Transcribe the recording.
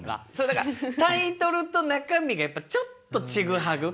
だからタイトルと中身がちょっとちぐはぐ。